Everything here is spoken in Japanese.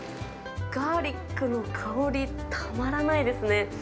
ガーリックの香り、たまらないですね。